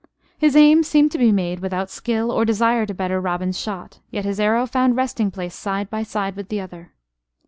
His aim seemed to be made without skill or desire to better Robin's shot; yet his arrow found resting place side by side with the other.